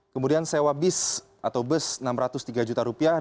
kemudian sewa bis atau bus enam ratus tiga juta rupiah